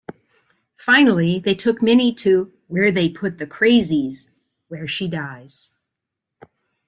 Finally, they took Minnie to "where they put the crazies", where she dies.